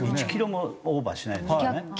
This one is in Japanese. １キロもオーバーしないですよね。